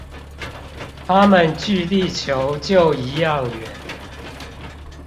它們距地球就一樣遠